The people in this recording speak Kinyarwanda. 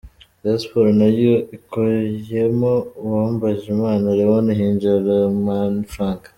' Rayon Sports nayo ikuyemo Uwambajimana Leon hinjira Lomamai Frank.